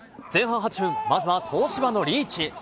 前半８分、まずは東芝のリーチ。